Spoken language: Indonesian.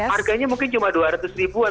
harganya mungkin cuma rp dua ratus an